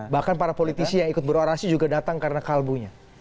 bahkan para politisi yang ikut berorasi juga datang karena kalbunya